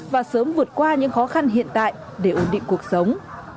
và sớm vượt qua những khó khăn hiện tại để ổn định cuộc sống